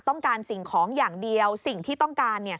ต้องการสิ่งของอย่างเดียวสิ่งที่ต้องการ